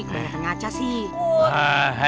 kebanyakan ngaca sih